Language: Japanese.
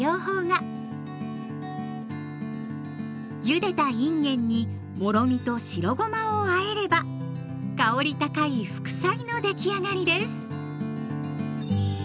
ゆでたいんげんにもろみと白ごまをあえれば香り高い副菜のできあがりです。